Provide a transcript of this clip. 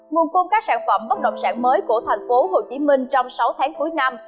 nguồn cung các sản phẩm bất động sản mới của thành phố hồ chí minh trong sáu tháng cuối năm